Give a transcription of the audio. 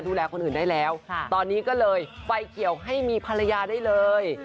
ดูแลคนอื่นได้แล้วตอนนี้ก็เลยไฟเขียวให้มีภรรยาได้เลย